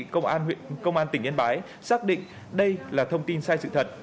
công an tỉnh yên bái xác định đây là thông tin sai sự thật